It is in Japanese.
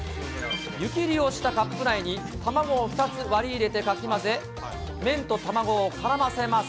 湯切りをしたカップ内に、卵を２つ割り入れてかき混ぜ、麺と卵をからませます。